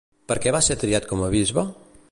Per què va ser triat com a bisbe?